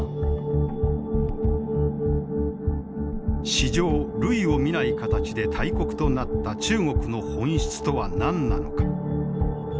史上類を見ない形で大国となった中国の本質とは何なのか。